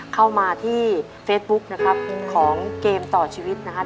เข้ามาที่เฟซบุ๊กนะครับของเกมต่อชีวิตนะครับ